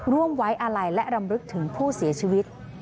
ร่วมไว้อาลัยและรำลึกถึงผู้เสียชีวิต